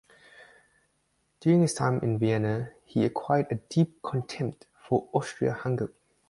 During his time in Vienna he acquired a deep contempt for Austria-Hungary.